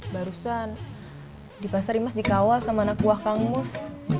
barusan di pasar imas dikawal sama anak gue kang mus